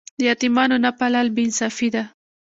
د یتیمانو نه پالل بې انصافي ده.